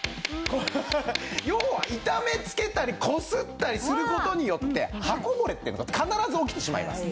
要は傷めつけたりこすったりする事によって刃こぼれっていうのが必ず起きてしまいます。